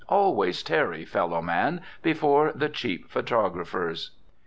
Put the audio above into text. Always tarry, fellow man, before the cheap photographer's.